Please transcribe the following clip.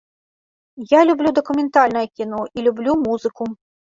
Я люблю дакументальнае кіно і люблю музыку.